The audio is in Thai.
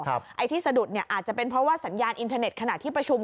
ไอ้ที่สะดุดอาจจะเป็นเพราะว่าสัญญาณอินเทอร์เน็ตขณะที่ประชุม